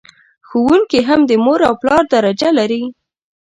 ښوونکي هم د مور او پلار درجه لر...